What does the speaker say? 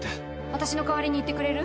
私の代わりに行ってくれる？